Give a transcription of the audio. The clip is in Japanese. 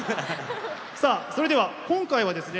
さあそれでは今回はですね